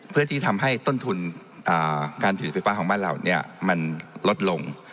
เพื่อที่ทำให้ต้นทุนการผลิตไฟฟ้าของบ้านเรามันลดลง